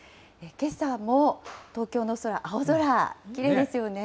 けさも東京の空、青空、きれいですよね。